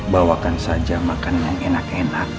bawakan saja makanan yang enak enak